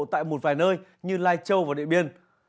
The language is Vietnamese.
tại một vài nơi như lai châu và điện biên